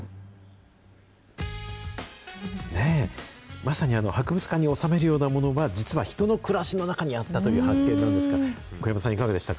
まさに博物館におさめるようなものは、実は人の暮らしの中にあったという発見なんですが、小藪さん、いかがでしたか？